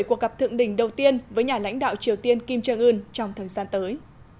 cuộc gặp thượng đỉnh đầu tiên với nhà lãnh đạo triều tiên kim jong un trong thời gian tới